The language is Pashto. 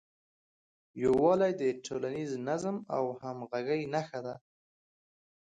یووالی د ټولنیز نظم او همغږۍ نښه ده.